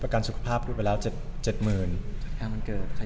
ประกันสุขภาพพูดไปแล้วเจ็ดเจ็ดหมื่นจัดงานวันเกิดใครจ่าย